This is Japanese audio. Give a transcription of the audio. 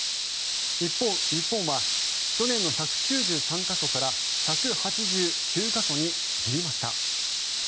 一方、日本は去年の１９３か所から１８９か所に減りました。